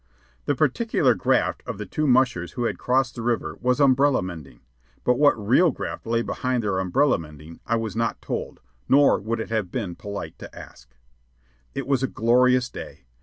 The particular graft of the two mushers who had crossed the river was umbrella mending; but what real graft lay behind their umbrella mending, I was not told, nor would it have been polite to ask. It was a glorious day.